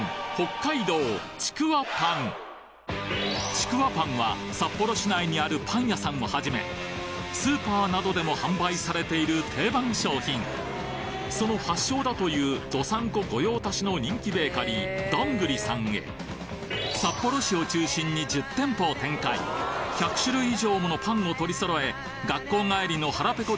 ちくわぱんは札幌市内にあるパン屋さんをはじめスーパーなどでも販売されている定番商品その発祥だという道産子ご用達の人気ベーカリー１００種類以上ものパンを取り揃え学校帰りの腹ペコ